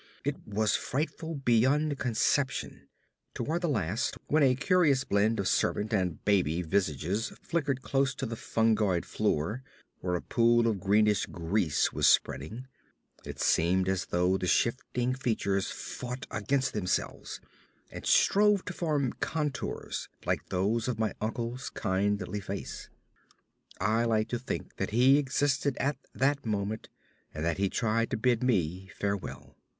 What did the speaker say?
It was frightful beyond conception; toward the last, when a curious blend of servant and baby visages flickered close to the fungous floor where a pool of greenish grease was spreading, it seemed as though the shifting features fought against themselves and strove to form contours like those of my uncle's kindly face. I like to think that he existed at that moment, and that he tried to bid me farewell.